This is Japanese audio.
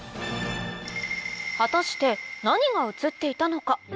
果たして何が写っていたのか？